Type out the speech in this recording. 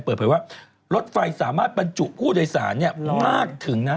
เปิดเผยว่ารถไฟสามารถบรรจุผู้โดยสารมากถึงนะ